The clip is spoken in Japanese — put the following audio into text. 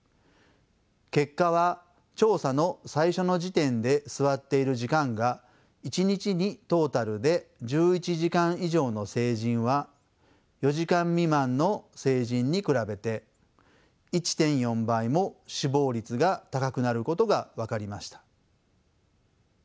結果は調査の最初の時点で座っている時間が１日にトータルで１１時間以上の成人は４時間未満の成人に比べて１．４倍も死亡率が高くなることが分かりました。